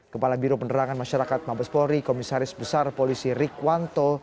kepala biro penderangan masyarakat mabes polri komisaris besar polisi rick wanto